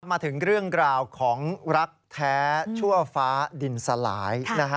มาถึงเรื่องราวของรักแท้ชั่วฟ้าดินสลาย